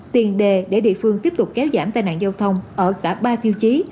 tiền đề để địa phương tiếp tục kéo giảm tai nạn giao thông ở cả ba tiêu chí